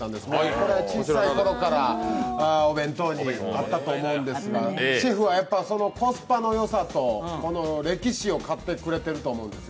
これは小さいころからお弁当にあったと思うんですが、シェフはコスパのよさと歴史を買ってくれていると思うんです。